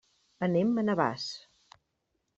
Anem a Navàs.